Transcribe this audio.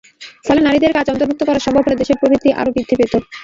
ফলে নারীদের কাজ অন্তর্ভুক্ত করা সম্ভব হলে দেশের প্রবৃদ্ধি আরও বৃদ্ধি পেত।